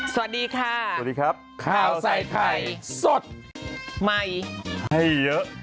สวัสดีค่ะสวัสดีครับข้าวใส่ไข่สดใหม่ให้เยอะ